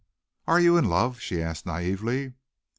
"Are you in love?" she asked naïvely.